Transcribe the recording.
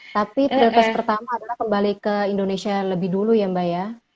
tapi prioritas pertama adalah kembali ke indonesia lebih dulu ya mbak ya